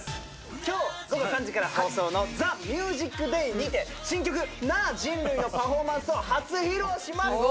今日午後３時から放送の『ＴＨＥＭＵＳＩＣＤＡＹ』にて新曲『なぁ人類』のパフォーマンスを初披露します。